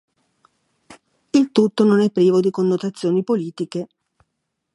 Il tutto non è privo di connotazioni politiche.